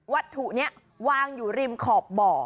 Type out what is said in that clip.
วัตถุนี้วางอยู่ริมขอบบ่อ